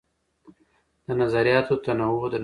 د نظریاتو د تنوع درناوی